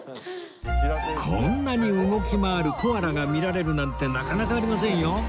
こんなに動き回るコアラが見られるなんてなかなかありませんよ